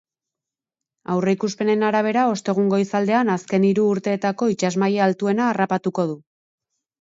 Aurreikuspenen arabera, ostegun goizaldean azken hiru urteetako itsas maila altuena harrapatuko du.